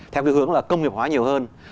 theo hướng công nghiệp hóa nhiều hơn